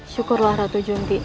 syukurlah ratu junti